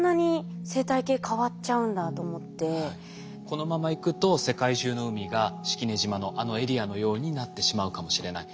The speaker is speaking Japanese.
このままいくと世界中の海が式根島のあのエリアのようになってしまうかもしれない。